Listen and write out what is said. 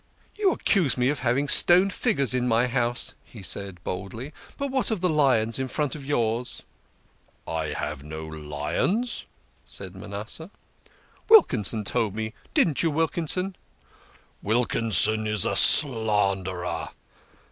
" You accuse me of having stone figures in my house," he said boldly, " but what about the lions in front of yours? "" I have no lions," said Manasseh. " Wilkinson told me so. Didn't you, Wilkinson ?" "Wilkinson is a slanderer.